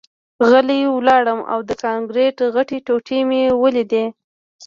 غلی لاړم او د کانکریټ غټې ټوټې مې ولیدې